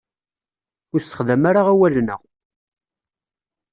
Ur sexdam ara awalen-a.